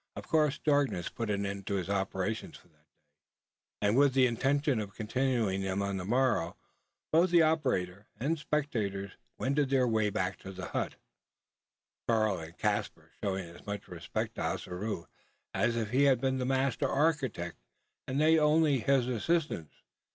Of course darkness put an end to his operations for that day; and with the intention of continuing them on the morrow, both the operator and spectators wended their way back to the hut Karl and Caspar showing as much respect to Ossaroo, as if he had been the master architect, and they only his assistants or labourers.